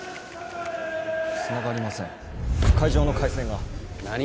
つながりません会場の回線が何？